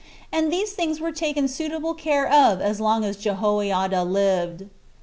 And these things were taken suitable care of as long as Jehoiada lived. 3.